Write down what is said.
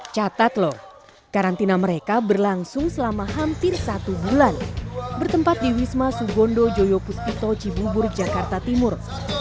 catat loh karantina mereka berlangsung selama hampir satu bulan bertempat di wisma sugondo joyo puspito cibubur jakarta timur